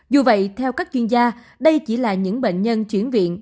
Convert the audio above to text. dù vậy theo các chuyên gia đây chỉ là những bệnh nhân chuyển viện